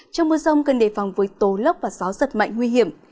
trong mưa rông cần đề phòng với tố lóc và gió rất mạnh nguy hiểm